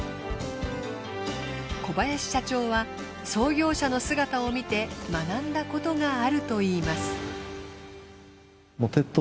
小林社長は創業者の姿を見て学んだことがあるといいます。